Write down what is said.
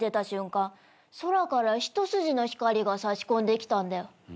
空から一筋の光が差し込んできたんだよ。